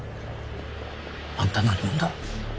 あんた何者だ？